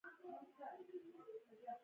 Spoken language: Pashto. خپل سفارت بېرته پرانيست